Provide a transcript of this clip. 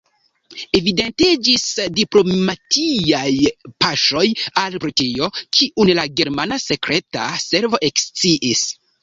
Evidentiĝis diplomatiaj paŝoj al Britio, kiun la germana sekreta servo eksciis.